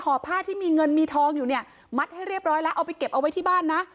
ผ้าที่มีเงินมีทองอยู่เนี่ยมัดให้เรียบร้อยแล้วเอาไปเก็บเอาไว้ที่บ้านนะ